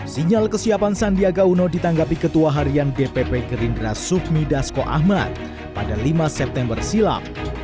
sinyal kesiapan sandiaga uno ditanggapi ketua harian dpp gerindra sufmi dasko ahmad pada lima september silam